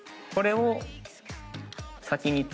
これを。